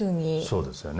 そうですよね。